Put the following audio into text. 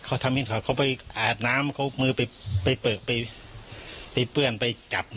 เป็นศรีช่างเขาไปอาดน้ำมือไปเปลือกไปเปื้อนไปจับ